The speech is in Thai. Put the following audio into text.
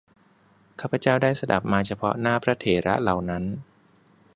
ข้าพเจ้าได้สดับมาเฉพาะหน้าพระเถระเหล่านั้น